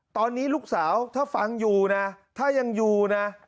ตอนนี้ลูกสาวถ้าฟังอยู่นะถ้ายังอยู่นะ